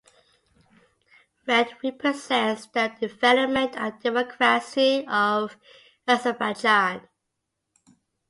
Red represents the development and democracy of Azerbaijan.